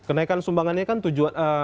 kenaikan sumbangan ini kan tujuan